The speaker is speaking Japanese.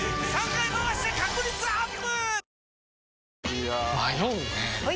いや迷うねはい！